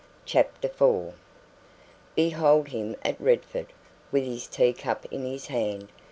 CHAPTER IV Behold him at Redford, with his tea cup in his hand.